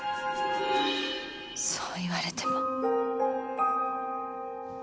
そう言われても。